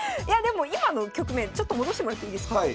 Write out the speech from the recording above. いやでも今の局面ちょっと戻してもらっていいですか？